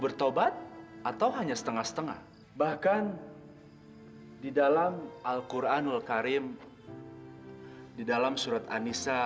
bertobat atau hanya setengah setengah bahkan di dalam alquranul karim di dalam surat anisa